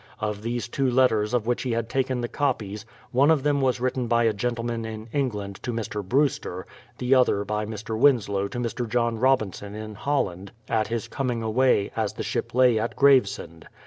Of these two letters of which he had taken the copies, one of them was written by a gentleman in England to Mr. Brewster, the other by Mr. Winslow to Mr. John Robinson in Holland, at his coming away, as the ship lay at Gravesend.